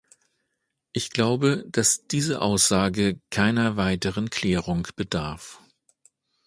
Ich glaube, dass diese Aussage keiner weiteren Klärung bedarf.